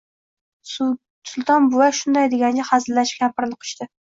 Sulton buva shunday deganicha hazillashib kampirini quchdi